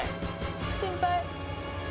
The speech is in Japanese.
心配。